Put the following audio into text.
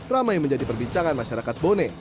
ramai menjadi perbincangan masyarakat bone